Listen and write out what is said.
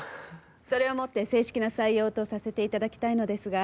それをもって正式な採用とさせていただきたいのですが。